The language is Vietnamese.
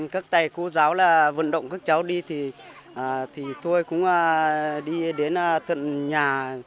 các thầy cô giáo vận động các cháu đi tôi cũng đi đến thận nhà